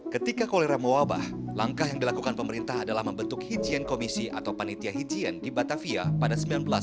ketika kolera mewabah langkah yang dilakukan pemerintah adalah membentuk hijien komisi atau panitia hijien di batavia pada seribu sembilan ratus sembilan puluh